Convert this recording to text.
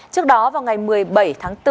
trước đó vào ngày một mươi bảy tháng bốn